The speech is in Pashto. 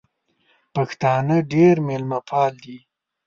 پښتانه ډېر مېلمه پال دي